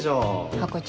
ハコ長。